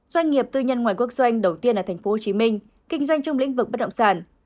doanh nghiệp tư nhân ngoài quốc doanh đầu tiên ở tp hcm kinh doanh trong lĩnh vực bất động sản